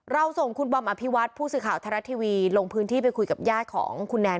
ส่งคุณบอมอภิวัตผู้สื่อข่าวไทยรัฐทีวีลงพื้นที่ไปคุยกับญาติของคุณแนน